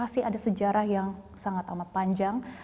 tapi masih ada sejarah yang sangat amat panjang